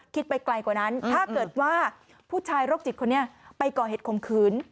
ไปไกลกว่านั้นถ้าเกิดว่าผู้ชายโรคจิตคนนี้ไปก่อเหตุคมขืน